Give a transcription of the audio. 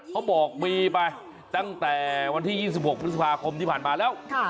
เขาบอกมีไปตั้งแต่วันที่๒๖พฤษภาคมที่ผ่านมาแล้ว